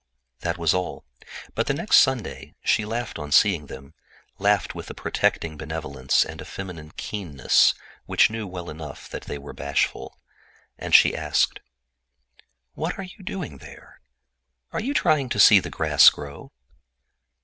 That was all. But the next Sunday she laughed on seeing them, laughed with a protecting benevolence and a feminine keenness which knew well enough that they were bashful. And she asked: "What are you doing there? Are you trying to see the grass grow?"